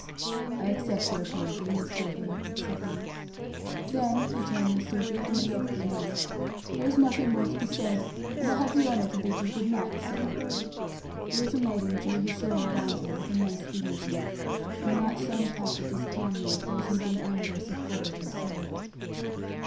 "I accept your apology, Miss Sylvia," said he. "Then," returned Miss Sylvia, in a lofty manner, "there is nothing more to be said, and I have the honour to bid you good night, sir." The little maiden drew her shawl close around her with immense dignity, and marched down the passage as calmly as though she had been Amadis of Gaul himself.